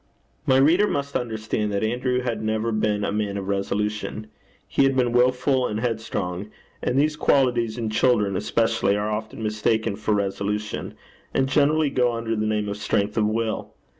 My reader must understand that Andrew had never been a man of resolution. He had been wilful and headstrong; and these qualities, in children especially, are often mistaken for resolution, and generally go under the name of strength of will.